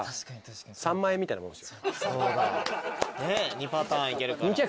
２パターンいけるから。